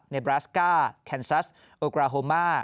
บราสก้าแคนซัสโอกราโฮมา